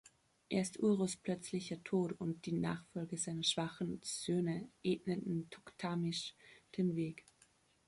Erst Urus plötzlicher Tod und die Nachfolge seiner schwachen Söhne ebneten Toktamisch den Weg.